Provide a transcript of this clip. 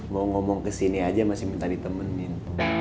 mau ngomong ke sini aja masih minta ditemenin